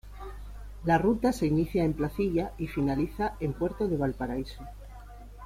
La Ruta se inicia en Placilla y finaliza en Puerto de Valparaíso.